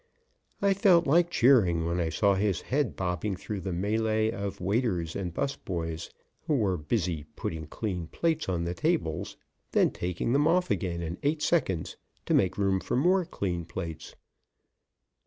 I felt like cheering when I saw his head bobbing through the mêlée of waiters and 'bus boys who were busy putting clean plates on the tables and then taking them off again in eight seconds to make room for more clean plates.